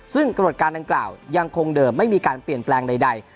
ซึ่งกำหนดการดังกล่าวยังคงเดิมไม่มีการเปลี่ยนแปลงใด